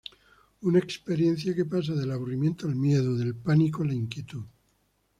Una experiencia que pasa del aburrimiento al miedo, del pánico a la inquietud.